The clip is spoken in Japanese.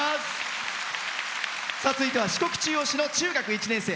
続いては四国中央市の中学１年生。